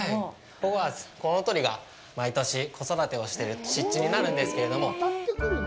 ここはコウノトリが毎年、子育てをしている湿地になるんですけれども。